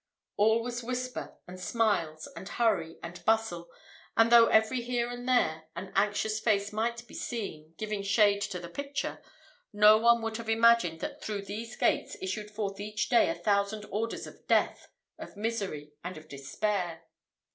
All was whisper, and smiles, and hurry, and bustle; and though every here and there an anxious face might be seen, giving shade to the picture, no one would have imagined that through those gates issued forth each day a thousand orders of death, of misery, and of despair.